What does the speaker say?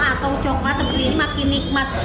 atau coklat seperti ini makin nikmat